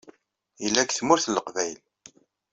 Yella deg Tmurt n Leqbayel.